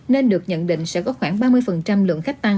nên được nhận định sẽ có khoảng ba mươi lượng khách tăng